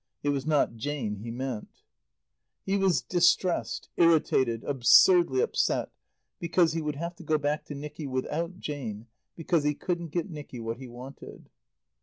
(It was not Jane he meant.) He was distressed, irritated, absurdly upset, because he would have to go back to Nicky without Jane, because he couldn't get Nicky what he wanted.